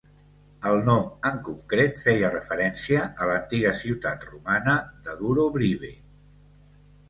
El nom en concret feia referència a l'antiga ciutat romana de Durobrivae.